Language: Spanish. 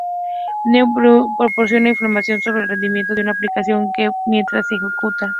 New Relic proporciona información sobre el rendimiento de una aplicación web mientras se ejecuta.